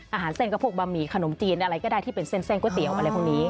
อาหารเส้นก็พวกบะหมี่ขนมจีนอะไรก็ได้ที่เป็นเส้นก๋วยเตี๋ยวอะไรพวกนี้